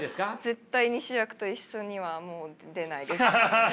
絶対に主役と一緒にはもう出ないです。